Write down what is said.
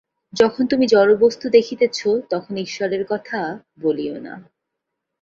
যখন তুমি জড়বস্তু দেখিতেছ, তখন ঈশ্বরের কথা বলিও না।